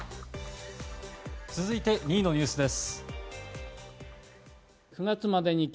続いて２位のニュースです。